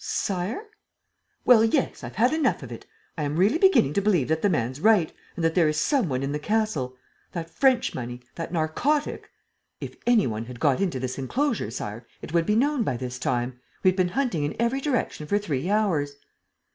"Sire? ..." "Well, yes, I've had enough of it! ... I am really beginning to believe that the man's right and that there is some one in the castle. ... That French money, that narcotic. ..." "If any one had got into this enclosure, Sire, it would be known by this time. ... We've been hunting in every direction for three hours."